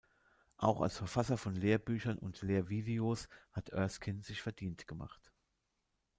Auch als Verfasser von Lehrbüchern und Lehrvideos hat Erskine sich verdient gemacht.